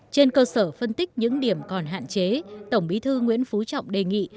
trên cơ sở phân tích những điểm còn hạn chế tổng bí thư nguyễn phú trọng đề nghị